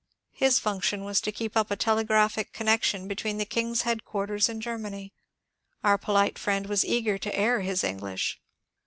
His function was to keep up a telegraphic connection between the King's headquarters and Germany. Our polite friend was eager to air his English.